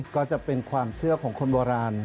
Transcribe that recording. ก็จะเป็นความเชื่อของคนโบราณ